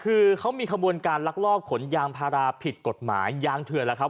คือเค้ามีการลักลอกขนยางพาราผิดกฏหมายยางเถื่อนเลยครับ